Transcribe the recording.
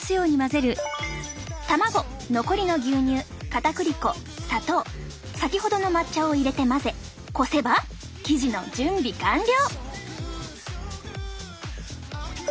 卵残りの牛乳かたくり粉砂糖先ほどの抹茶を入れて混ぜこせば生地の準備完了。